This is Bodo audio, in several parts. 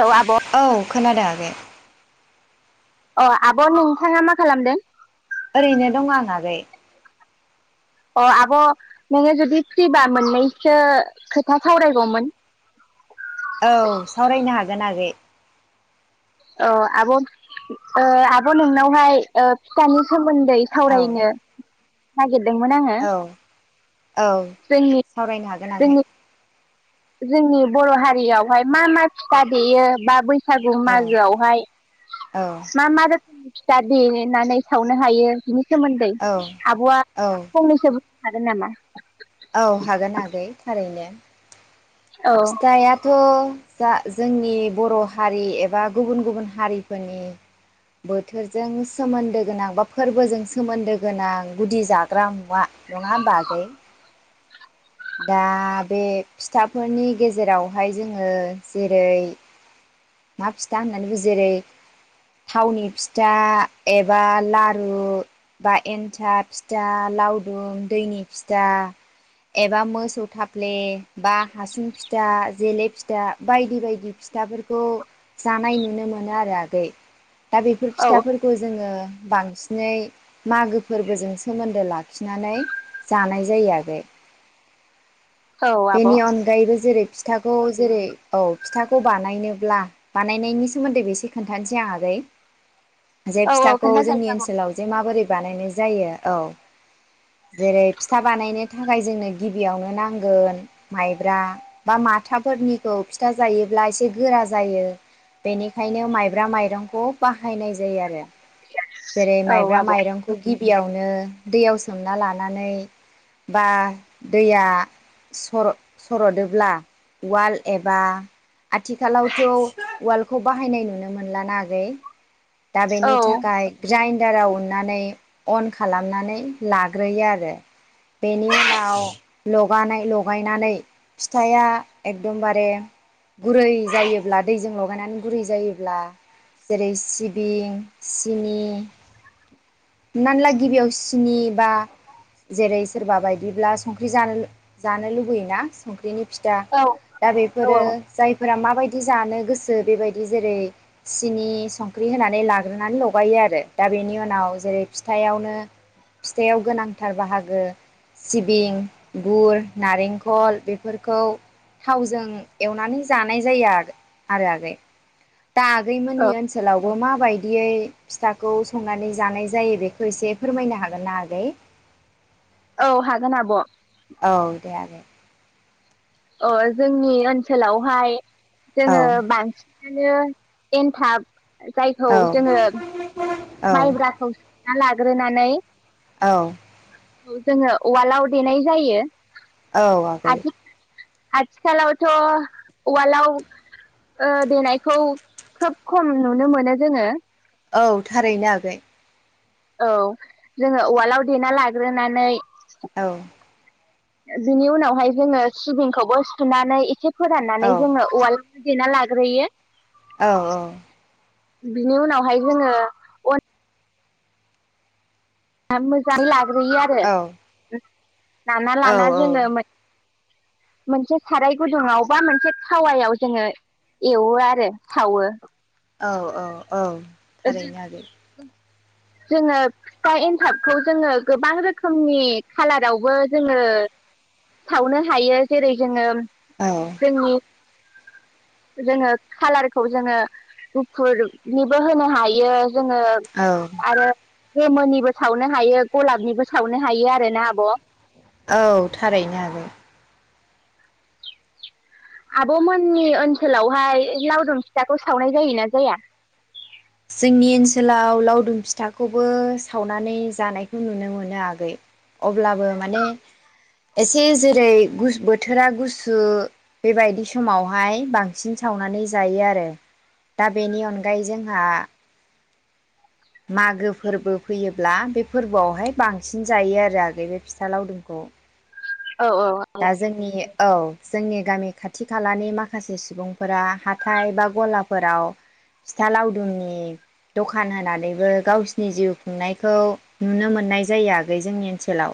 औ आब' औ खोनादों आगै। औ आब नोंथाङा मा खालामदों? ओरैनो दं आंगै। अह आब नोंङो जुदि फ्रिबा मोननैसो खोथा सावरायगौमोन। औ सावरायनो हागोन आगै औ आब आब नोंनावहाय फिथानि सोमोन्दै औ सावरायनो। नागि दोंमोन आंङो। औ औ सावरायनो हागोन आगै। जोंनि बर' हारियावहाय मा-मा फिथा देयो बा बैस बैसागु औ मागोआवहाय औ मा-मा रोखोमनि फिथा देनानै सावनो हायो बिनि सोमोन्दै औ आब'आ औ फंनैसो हागोन नामा? औ हागोन आगै थारैनो। औ फिथाया'थ जा जोंनि बर' हारि एबा गुबुन-गुबुन हारिफोरनि बोथोरजों सोमोन्दो गोनां बा फोर्बोजों सोमोन्दो गोनां गुदि जाग्रा मुवा नङा होनबा आगै दा बे फिथा फोरनि गेजेरावहाय जोङो जेरै मा फिथा होननानै बुङो। जेरै थावनि फिथा एबा लारु बा एन्था फिथा लावदुंम दैनि फिथा एबा मोसौ थाफ्ले बा हासुं फिथा जेले फिथा बायदि-बायदि फिथाफोरखौ जानाय नुनो मोनो आरो आगै। दा बेफोर औ फिथाफोरखौ जोङो बांसिनै मागो फोरबोजों सोमोन्दो लाखिनानै जानाय जायो आगै। औ आब। बेनि अनगायैबो जेरै फिथाखौ जेरै औ फिथाखौ बानायनोब्ला बानायनायनि सोमोन्दै बेसे खोन्थानोसै आं आगै। जे औ फिथाखौ जोंनि खोन्थाजायो आब' ओनसोलाव जे माबोरै बानायनाय जायो औ। जेरै फिथा बानायनो थाखाय जोंनो गिबियावनो नांगोन माइ माइब्रा बा माथाफोरनिखौ फिथा जायोब्ला एसे गोरा जायो। बेनिखायनो माइब्रा माइरंखौ बाहायनाय जायो आरो। जेरै औ माइब्रा आब' माइरंखौ गिबि गिबियावनो दैयाव सोमना लानानै बा दैया सर सरदोब्ला वाल एबा आथिखालावथ वालखौ बाहायनाय नुनो मोनलाना आगै। दा बेनि औ थाखाय ग्राइद ग्रेनदाराव उननानै अन खालामनानै लाग्रोयो आरो बेनि उनाव लगानाय लगायनानै फिथाया एकदमबारे गुरै जायोब्ला दैजों लगायनानै गुरै जायोब्ला जेरै सिबिं सिनि हमनानैला गिबियाव सिनि बा जेरै सोरबा बायदिब्ला संख्रि जानो जानो लुबैयोना। संख्रिनि फिथा औ दा औ बेफोरो जायफोरा मा माबायदि जानो गोसो बेबायदि जेरै सिनि संख्रि होनानै लाग्रोनानै लगायो आरो दा बेनि उनाव जेरै फिथायावनो फिथाव गोनांथार बाहागो सिबिं गुर नारेंखल बे बेफोरखौ थावजों एवनानै जानाय जायो आरो आगै। दा औ आगैमोननि ओनसोलावबो मा मा बायदियै फिथाखौ संनानै जानाय जायो बेखौ एसे फोरमायनो हागोन ना आगै? औ हागोन आब। औ दे आगै। अ जोंनि ओनसोलावहाय। औ जोङो बां। बिनो एनथाब। जायखौ जोङो। औ औ माइब्रा खौस। ना लाग्रोनानै। औ। औ जोङो उवालाव देनाय जायो। औ आगै। आथि आथिखालावथ' ववालआव ओ देनायखौ खोब खम नुनो मोनो जोङो। औ थारैनो आगै। औ जोङो उवालाव देना लाग्रोनानै। औ। बिनि उनावहाय जोङो सिबिंखौबो सुनानै एसे। फोराननानै औ जोङो उवाल। देना लाग्रोयो। औ बिनि उनावहाय जोङो अन। [unintelligible] गुयो आरो। औ लाना लाना औ जोङो मोनसे साराय गुदुङाव बा मोनसे थावायाव जोङो एवो आरो सावो। औ औ औ। थारैनो आगै। जोङो बिफा एनथाबखौ जोङो गोबां रोखोमनि खालारावबो जोङो सावनो हायो जेरै जोङो औ जोंनि जोङो खाालारखौ जोङो गुफुरनि बो होनो हायो। जोङो औ आरो बेमोननिबो सावनो हायो गलाबनिबो सावनो हायो आर ना आब'। औ थारैनो आगै। आब'मोननि ओनसोलावहाय लावदुम फिथाखौ सावनाय जायोना जाया। जोंनि ओनसोलाव लावदुम फिथाखौबो सावनानै जानायखौ नुनो मोनो आगै अब्लाबो माने एसे जेरै बोथोरा गुसु बेबायदि समावहाय बांसिन सावनानै जायो आरो दा बेनि अनगायै जों हा। मागो फोरबो फैयो अब्ला बे फोरबोआवहाय बांसिन जायो आरो आगै बे फिथा लावदुमखौ औ औ दा जोंनि औ। जोंनि गामि खाथि खालानि माखासे सुबुंफोरा हाथाय बा गलाफोराव फिथा लावदुमनि दखान होनानैबो गावसिनि जिउ खुंनायखौ नुनो मोननाय जायो आगै जोंनि ओनसोलाव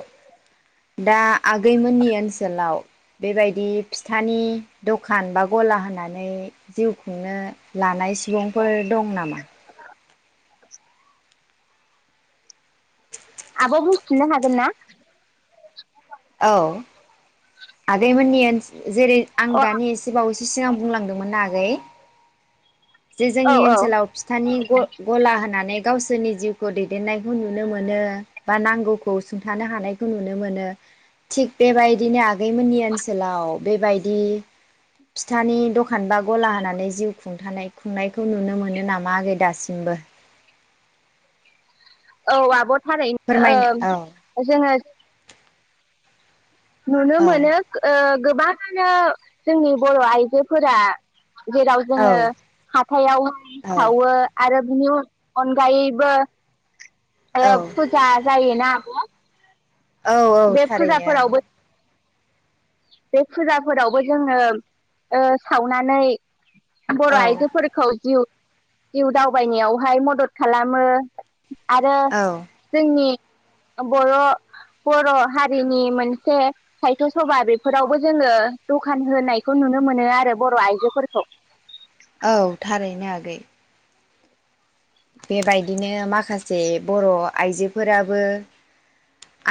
दा आगैमोननि ओनोल ओनसोलाव बेबायदि फिथानि दखान बा गला होनानै जिउखौ सुंनो लानाय सुबुंफोर दं नामा। [inaudible] आब बुंफिननो हागोनना? औ आगै मोननानि‌ ओन जेरै आं अ दानि एसे बावैसो सिगां बुंलांदोंमोनना आगै। जे औ जोंनि ओनसोलाव फिथानि गला होनानै गावसोरनि जिउखौ दैदेननायखौ नुनो मोनो बा नांगौखौ सुंथानो हानायखौ नुनो मोनो थिग बेबायदिनो आगैमोननि ओनसोलाव बेबायदि फिथानि दखान बा गला होनानै जिउ खुंनायखौ नुनो मोनो नामा आगै दासिमबो औ आब। थारैनो फोरमायनो ओ जोङो। नुनो औ मोनो ओ गोबाङानो जोंनि बर' आइजोफोरा जेराव औ जोङो हाथायावहाय औ सावो आरो बिनि अनगायैबो औ फुजा जायोना आब' औ औ थारैनो आगै। बे फुजाफोरावबो जोङो ओ सावनानै बर' औ आइजोफोरखौ जिउ जिउ दावबायनायावहाय मदद खालामो। आरो औ जोंनि बर' बर' हारिनि मोनसे साहित्य सभा बे फोरावबो जोङो दखान होनायखौ नुनो मोनो आरो बर' आइजोफोरखौ औ थारैनो आगै। बेबायदिनो माखासे बर' आइजोफोराबो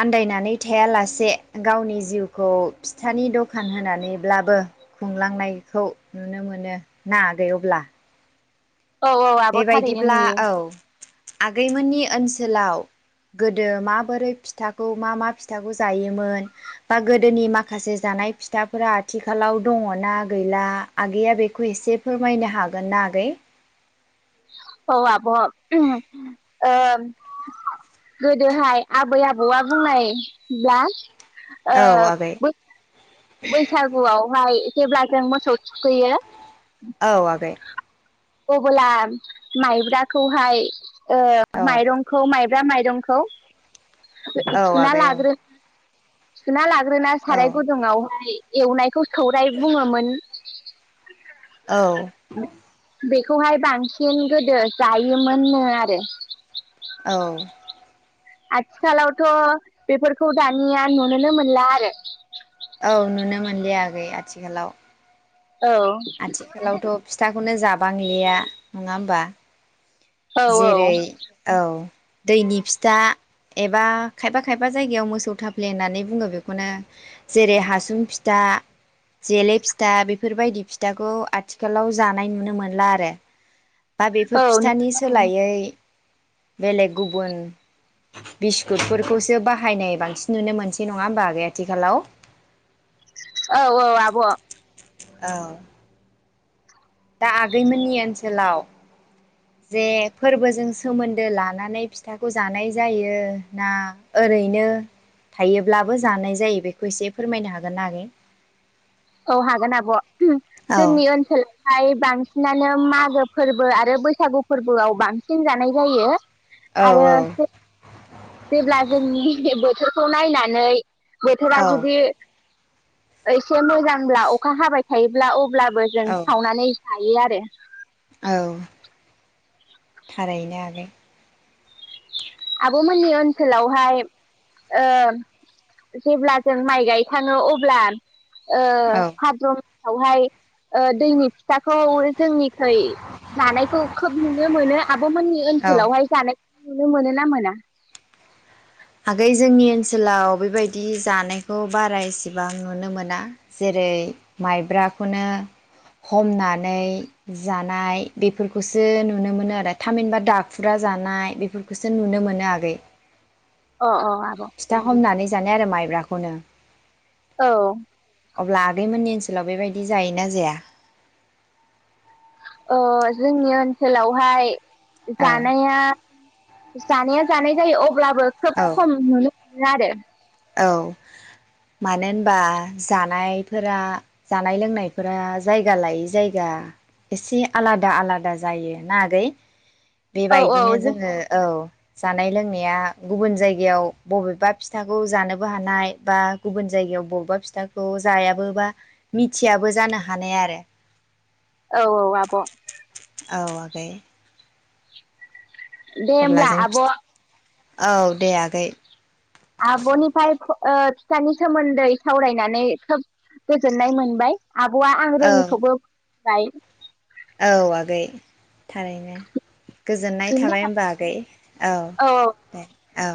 आन्दायनानै थायालासे गावनि जिउखौ फिथानि दखान होनानैब्लाबो खुंलांनायखौ नुनो मोनो ना गै अब्ला औ औ आब' थारैनो बेबायदिब्ला नुयो औ आगैमोननि ओनसोल सोलाव गोदो माबोरै फिथाखौ मा मा फिथाखौ जायोमोन बा गोदोनि माखासे जानाय फिथाफोरा आथिखालाव दङना गैला आगैया बेखौ एसे फोरमायनो हागोनना आगै। औ आब' गोदोहाय आबै आबौआ बुंनायब्ला औ ओ आगै बै बैसागुआव जेब्ला जों मोसौ थुखैयो औ आगै अब्ला माइब्राखौहाय ओ औ माइरंखौ माइ जा माइरंखौ औ सुना आगै औ लाग्रो सुना लाग्रो ग्रोना औ साराय गुदुंआव एवनायखौ सौराय बुङोमोन। औ। बेखौहाय बांसिन गोदो जायोमोननो आरो। औ। आथिखालावथ' बेफोरखौ दानिया नुनोनो मोनला आरो औ नुनो मोनलि आगै आथिखालाव औ आथिखालावथ' फिथाखौनो जाबाय बांलिया नङा होमबा औ जेरै औ औ दैनि फिथा एबा खायफा खायफा जायगायाव मोसौ थाफ्ले होननानै बुङो बेखौनो जेरै हासुं फिथा जेले फिथा बेफोरबायदि फिथाखौ आथिखालाव जानाय नुनो मोनला आरो बा बेफोर औ फिथानि सोलाय यै बेलेग गुबुन बिस्कुटफोरखौसो बाहायनाय बांसिन नुनो मोनसै नङा होमबा आगै आथिखालाव औ औ आब' औ दा आगैमोननि ओनसोलाव जे फोरबोजों सोमोन्दो लानानै फिथाखौ जानाय जायो ना ओरैनो थायोब्लाबो जानाय जायो बेखौ एसे फोरमायनो हागोन ना आगै औ हागोन आब' औ जोंनि ओनसोल ओमफ्राय बांसिनानो मागो फोरबो आरो बैसागु फोरबोआव बांसिन जानाय जायो औ आरो जेब्ला जोंनि बोथोरखौ नायनानै बोथारा औ जुदि एसे मोजां होमब्ला अखा हाबाय थायोब्ला अब्ला बो जों औ सावनानै जायो आरो औ थारैनो आगै आब'मोननि ओनसोलावहाय ओ जेब्ला जों माइ गायखाङो अब्ला ओ औ भाद्र औहाय ओ दैनि फिथाखौ जोंनिखै जानायखौ खोब नुनो मोनो आब'मोननि औ ओनसोलावहाय जानाय नुनो मोनो ना मोना? आगै जोंनि ओनसोलाव बेबायदि जानायखौ बारा इसेबां नुनो मोना जेरै माइब्राखौनो हमनानै जानाय बेफोरखौसो नुनो मोनो आरो थामहिनबा दाखुरा जानाय बेफोरखौसो नुनो मोनो आगै। अ अ आब' फिथा हमनानै जानाय आरो माइब्राखौनो। औ अब्ला आगैमोननि ओनसोलाव बेबायदि जायोना जाया अ जोंनि ओनसोलावहाय औ जानाया जानाया जानाय जायो अब्लाबो खोब औ खम नुनो ला आरोे औ मानो होनबा जानायफोरा जानाय लोंनायफोरा जायगा लायै जायगा एसे आलादा आलादा जायो ना आगै। औ औ बेबायदिनो जों जोङो औ जानाय लोंनाया गुबुन जायगायाव बबेबा फिथा खौ जानोबो हानाय बा गुबुन जायगायाव बबेबा फिथाखौ जायाबो बा मिथियाबो जानो हानाय आरो। औ औ आब' औ आगै दे अब्ला होमब्ला जों फि आब' औ दे आगै आब'निफ्राय ओ फिथानि सोमोन्दै सावरायनानै खोब गोजोननाय मोनबाय। आब'आ आं औ रोङिखौबो बाय औ आगै थारैनो गोजोननाय बिनि थाबाय होमबा आगै औ दे औ